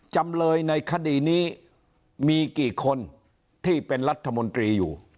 จำเลยในคดีนี้มีกี่คนที่เป็นรัฐมนตรีอยู่